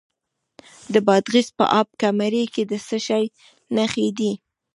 د بادغیس په اب کمري کې د څه شي نښې دي؟